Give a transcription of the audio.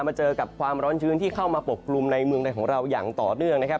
มาเจอกับความร้อนชื้นที่เข้ามาปกกลุ่มในเมืองในของเราอย่างต่อเนื่องนะครับ